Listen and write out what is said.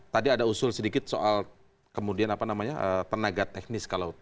tadi ada usul sedikit soal kemudian apa namanya tenaga teknis kalau